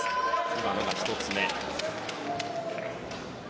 今のが１つ目。